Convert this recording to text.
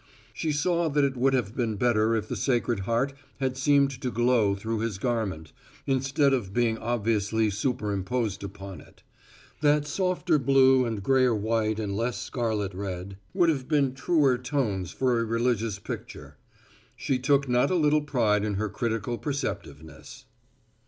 She saw that it would have been better if the Sacred Heart had seemed to glow through His garment, instead of being obviously superposed upon it; that softer blue and grayer white and less scarlet red would have been truer tones for a religious picture. She took not a little pride in her critical perceptiveness.